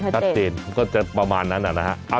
ชัดเจนใช่มั้ยจะประมาณนั้นนะฮะ